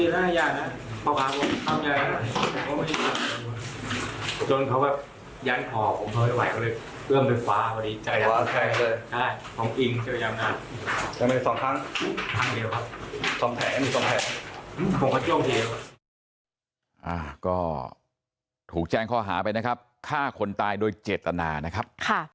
ก็ถูกแจ้งข้อหาไปนะครับฆ่าคนตายโดยเจตนานะครับ